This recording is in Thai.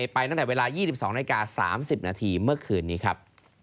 ตั้งแต่เวลา๒๒นาฬิกา๓๐นาทีเมื่อคืนนี้ครับ